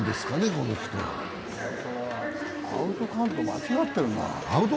これは、アウトカウント間違ってるな。